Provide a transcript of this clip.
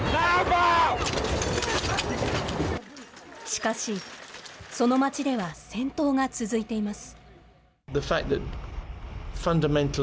しかし、その町では戦闘が続いています。